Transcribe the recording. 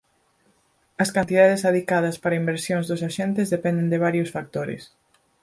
As cantidades adicadas para inversións dos axentes dependen de varios factores.